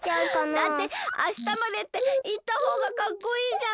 だってあしたまでっていったほうがかっこいいじゃん。